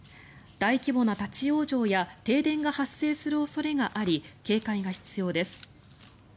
大規模な立ち往生や停電が発生する恐れがあり警戒が必要です。